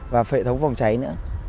và phệ thống vòng cháy nữa